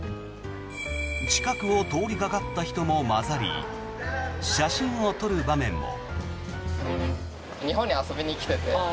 近くを通りがかった人も交ざり写真を撮る場面も。